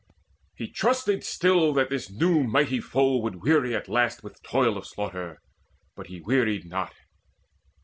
He trusted still That this new mighty foe would weary at last With toil of slaughter; but he wearied not.